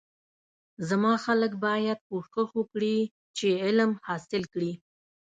زما خلک باید کوشش وکړی چی علم حاصل کړی